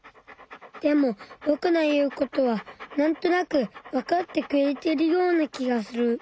でもぼくの言うことはなんとなくわかってくれてるような気がする。